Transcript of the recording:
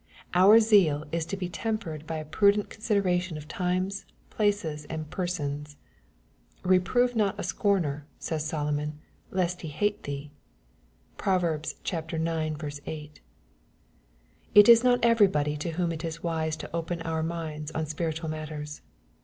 Our zeal is to be tem pered by a prudent consideration of times, places, and per sons. "Reprove not a scomer," says Solomon, "lest he hate thee." (Prov. ix. 8.) It is not everybody to whom it is wise to open our minds on spiritual matters.